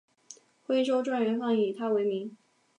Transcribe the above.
徽州状元饭以他为名。